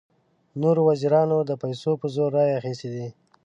نورو وزیرانو د پیسو په زور رایې اخیستې دي.